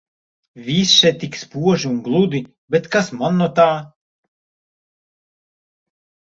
Viss še tik spoži un gludi, bet kas man no tā.